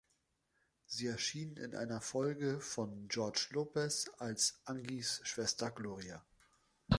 Sie erschien in einer Folge von „George Lopez“ als Angies Schwester Gloria.